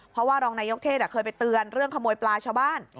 เพราะว่ารองนายกเทศเคยไปเตือนเรื่องขโมยปลาชาวบ้าน